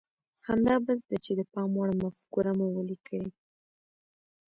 همدا بس ده چې د پام وړ مفکوره مو وليکئ.